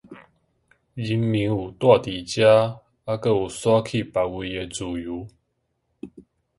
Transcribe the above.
人民有居住及遷徙之自由